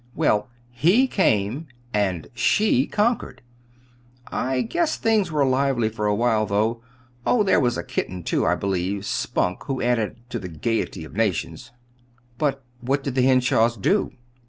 "Well, 'he' came, and 'she' conquered. I guess things were lively for a while, though. Oh, there was a kitten, too, I believe, 'Spunk,' who added to the gayety of nations." "But what did the Henshaws do?"